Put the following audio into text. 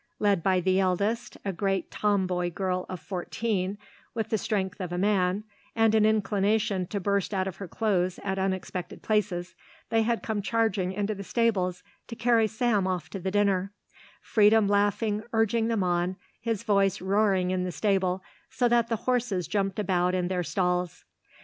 Led by the eldest, a great tomboy girl of fourteen with the strength of a man and an inclination to burst out of her clothes at unexpected places, they had come charging into the stables to carry Sam off to the dinner, Freedom laughingly urging them on, his voice roaring in the stable so that the horses jumped about in their stalls.